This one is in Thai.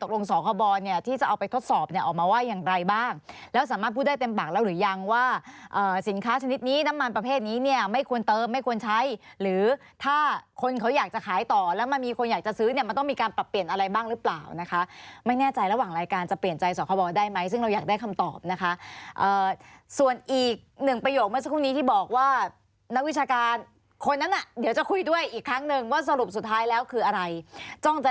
ตอนหลังเขาบอกว่าขวดใหญ่แต่ตอนหลังเขาบอกว่าขวดใหญ่แต่ตอนหลังเขาบอกว่าขวดใหญ่แต่ตอนหลังเขาบอกว่าขวดใหญ่แต่ตอนหลังเขาบอกว่าขวดใหญ่แต่ตอนหลังเขาบอกว่าขวดใหญ่แต่ตอนหลังเขาบอกว่าขวดใหญ่แต่ตอนหลังเขาบอกว่าขวดใหญ่แต่ตอนหลังเขาบอกว่าขวดใหญ่แต่ตอนหลังเขาบอกว่าขวดใหญ่แต่ตอนหลังเขาบอกว